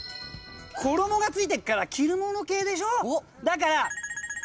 「衣」が付いてっから着る物系でしょ？だから。